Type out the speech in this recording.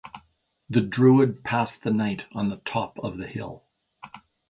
The druid passed the night on the top of the hill.